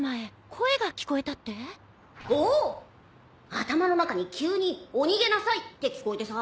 頭の中に急に「お逃げなさい」って聞こえてさ。